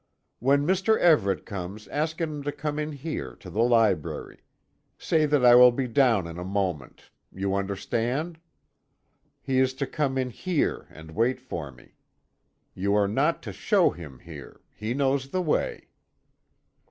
"When Mr. Everet comes, ask him to come in here, to the library. Say that I will be down in a moment. You understand? He is to come in here and wait for me. You are not to show him here he knows the way."